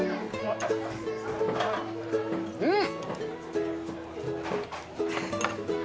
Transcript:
うん！